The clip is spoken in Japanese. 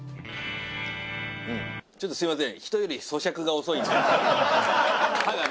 「ちょっとすみません」